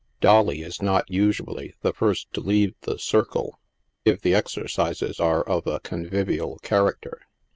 " Dolly' 7 is not, usually, the first to leave the circle, if the exercises are of a convivial character.